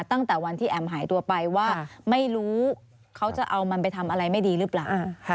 ตั้งแต่วันที่แอมหายตัวไปว่าไม่รู้เขาจะเอามันไปทำอะไรไม่ดีหรือเปล่า